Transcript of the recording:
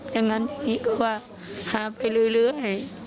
อย่างนั้นหาไปเรื่อย